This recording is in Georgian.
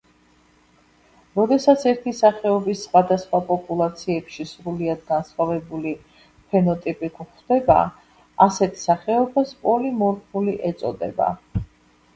როდესაც ერთი სახეობის სხვადასხვა პოპულაციებში სრულიად განსხვავებული ფენოტიპი გვხვდება, ასეთ სახეობას პოლიმორფული ეწოდება.